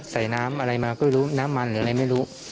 ใส่น้ำอะไรมาก็รู้น้ำมันหรืออะไรไม่รู้